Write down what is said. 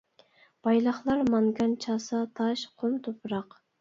بايلىقلار مانگان چاسا تاش، قۇم تۇپراق.